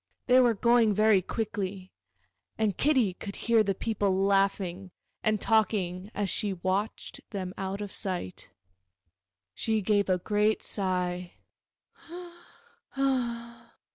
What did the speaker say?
They were going very quickly, and Kitty could hear the people laughing and talking as she watched them out of sight. She gave a great sigh.